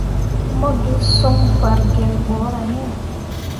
Mo gi soŋ bargelle ɓorah iŋ.